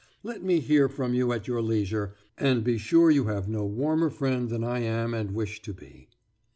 Let me hear from you at your leisure, and be sure you have no warmer friend than I am and wish to be